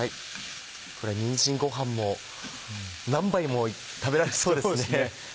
これにんじんごはんも何杯も食べられそうですね。